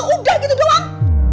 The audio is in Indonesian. udah gitu doang